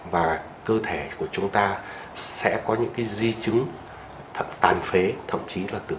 và cơ thể của chúng ta sẽ có những cái di chứng tàn phế thậm chí là tử